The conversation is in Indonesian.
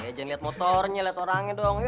jangan liat motornya liat orangnya doang yuk